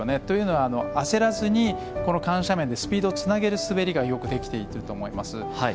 というのは、焦らずに緩斜面でスピードをつなげる滑りがよくできていたと思います。